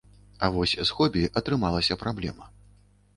А вось з хобі атрымалася праблема.